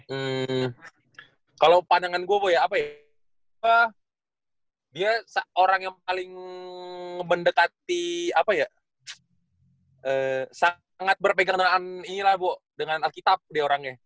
hmm kalau pandangan gue bo ya apa ya dia orang yang paling mendekati apa ya sangat berpengenalan inilah bo dengan alkitab dia orangnya